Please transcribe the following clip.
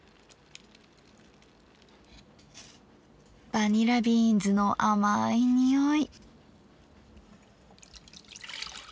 バニラビーンズの甘い匂い。